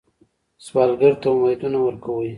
سوالګر ته امیدونه ورکوئ